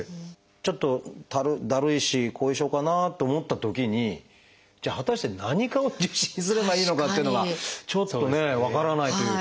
ちょっとだるいし後遺症かなと思ったときにじゃあ果たして何科を受診すればいいのかっていうのがちょっとね分からないというか。